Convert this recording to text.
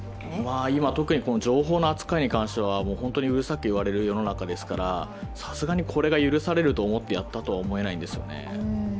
今、特に情報の扱いに関してはうるさく言われる世の中ですからさすがにこれが許されると思ってやったとは思えないんですよね。